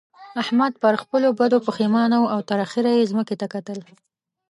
احمد پر خپلو بدو پېښمانه وو او تر اخېره يې ځمکې ته کتل.